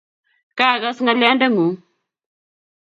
Kaagas ng'olyondeng'ung'